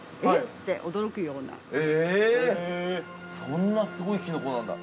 えぇそんなすごいキノコなんだ。